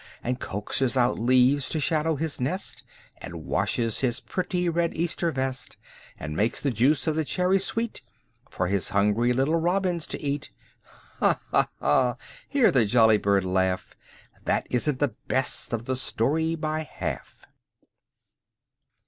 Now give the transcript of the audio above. And coaxes out leaves to shadow his nest. And washes his pretty red Easter vest. And makes the juice of the cherry sweet. For his hungry little robins to eat? ''Ha! ha! ha!" Hear the jolly bird laugh. *'That isn't the best of the story, by half."